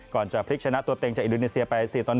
ก่อนจะพลิกชนะตัวเต็งจากอิดุนีเซียไป๔๑